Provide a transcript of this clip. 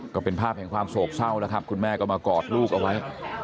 ก็เป็นภาพแห่งความโศกเศร้าแล้วครับคุณแม่ก็มากอดลูกเอาไว้